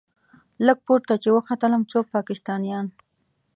لږ پورته چې وختلم څو پاکستانيان.